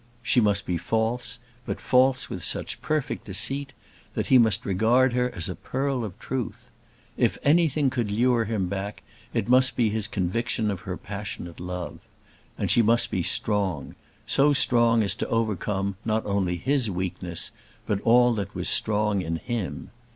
She must be false, but false with such perfect deceit, that he must regard her as a pearl of truth. If anything could lure him back it must be his conviction of her passionate love. And she must be strong; so strong as to overcome not only his weakness, but all that was strong in him.